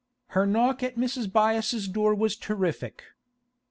Her knock at Mrs. Byass's door was terrific.